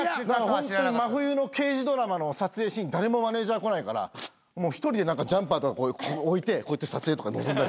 ホントに真冬の刑事ドラマの撮影シーン誰もマネジャー来ないから一人でジャンパーとか置いてこうやって撮影とか臨んだりして。